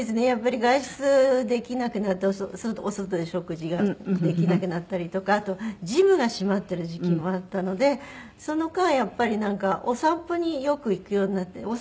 やっぱり外出できなくなってお外で食事ができなくなったりとかあとジムが閉まってる時期もあったのでその間やっぱりなんかお散歩によく行くようになって。